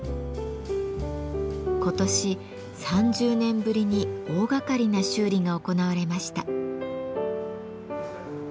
今年３０年ぶりに大がかりな修理が行われました。